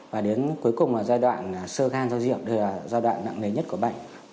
và đến cuối cùng là giai đoạn sơ gan do rượu là giai đoạn nặng nề nhất của bệnh